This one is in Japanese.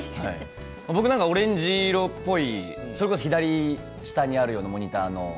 僕はオレンジっぽいそれこそ左下にあるようなモニターの。